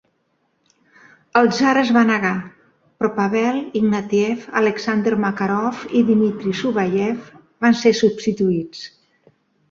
El tsar es va negar, però Pavel Ignatieff, Alexander Makarov i Dmitry Shuvayev van ser substituïts.